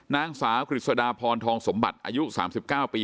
นางสาวกฤษฎาพรทองสมบัติอายุ๓๙ปี